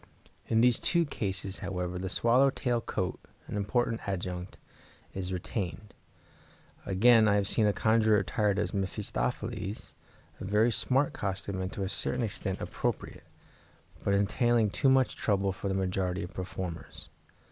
In these two cases, however, the swallow tail coat, an important adjunct, is retained. Again, I have seen a conjurer attired as Mephistopheles, a very smart costume, and to a certain extent appropriate, but entailing too much trouble for the majority of performers.